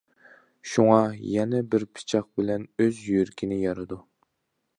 شۇڭا يەنە بىر پىچاق بىلەن ئۆز يۈرىكىنى يارىدۇ!